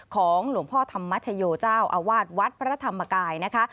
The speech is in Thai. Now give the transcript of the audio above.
ของหลวงพ่อธรรมชโยเจ้าอาวาสวัดพระธรรมกายนะคะ